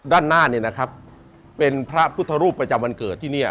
ด้านหน้าเนี่ยนะครับเป็นพระพุทธรูปประจำวันเกิดที่เนี่ย